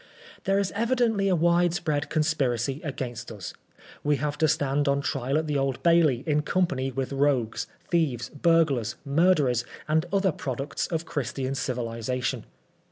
" There is evidently a widespread conspiracy against us. We have to stand on trial at the Old Bailey in company with rogues, thieves, burglars, murderers, and other products of Christian civilisation.